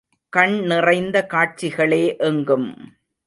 கண் நிறைந்த காட்சிகளே எங்கும்.